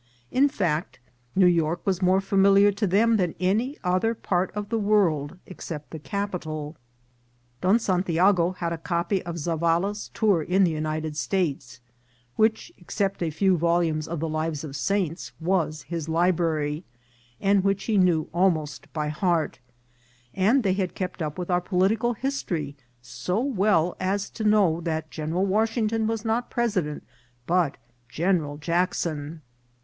In fact, New York was more familiar to them than any other part of the world except the capital. Don San tiago had a copy of Zavala's tour in the United States, which, except a few volumes of the lives of saints, was his library, and which he knew almost by heart ; and they had kept up with our political history so well as to know that General Washington was not president, but General Jackson.